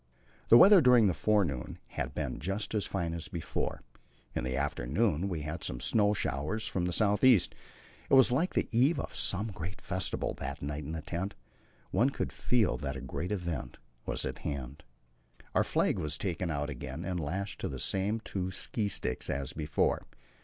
The weather during the forenoon had been just as fine as before; in the afternoon we had some snow showers from the south east. It was like the eve of some great festival that night in the tent. One could feel that a great event was at hand. Our flag was taken out again and lashed to the same two ski sticks as before.